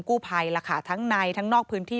กู้ภัยล่ะค่ะทั้งในทั้งนอกพื้นที่